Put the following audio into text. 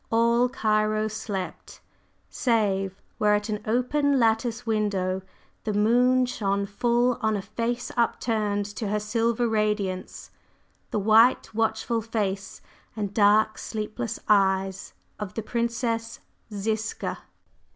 All Cairo slept, save where at an open lattice window the moon shone full on a face up turned to her silver radiance, the white, watchful face, and dark, sleepless eyes of the Princess Ziska.